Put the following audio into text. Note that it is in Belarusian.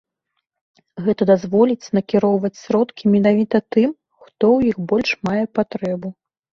Гэта дазволіць накіроўваць сродкі менавіта тым, хто ў іх больш мае патрэбу.